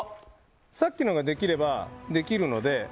さっきのができればできるので。